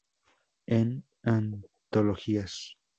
En Antologías